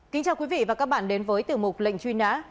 kính chào quý vị và các bạn đến với tiểu mục lệnh truy nã